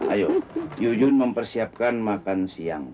ayo jujur mempersiapkan makan siang